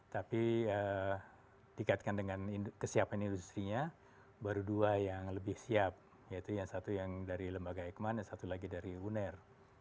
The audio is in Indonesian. tapi dikaitkan dengan kesiapan industri nya baru dua yang lebih siap yaitu yang satu yang dari lembaga eijkman dan satu lagi dari uner